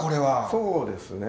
そうですね。